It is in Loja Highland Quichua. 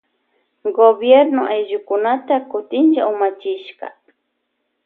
Gobierno ayllukunata kutinlla umachishka.